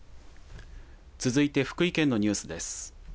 続いて福井県のニュースです。